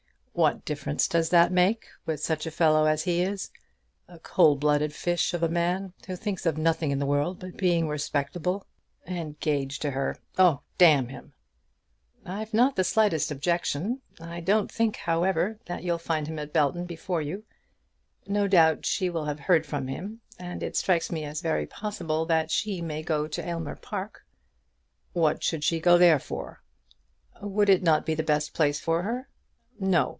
"What difference does that make with such a fellow as he is, a cold blooded fish of a man, who thinks of nothing in the world but being respectable? Engaged to her! Oh, damn him!" "I've not the slightest objection. I don't think, however, that you'll find him at Belton before you. No doubt she will have heard from him; and it strikes me as very possible that she may go to Aylmer Park." "What should she go there for?" "Would it not be the best place for her?" "No.